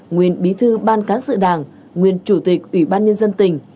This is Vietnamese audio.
nguyên bí thư ban cán sự đảng nguyên chủ tịch ủy ban nhân dân tỉnh